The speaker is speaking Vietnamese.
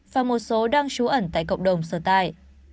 và một số đang trú ẩn tại cộng đồng sơ tài